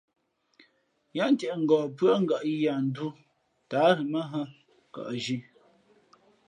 Yáá ntieʼ ngαh pʉ́ά ngα̌ yīī ya ndū tα á ghen mα nhᾱ, nkαʼzhi.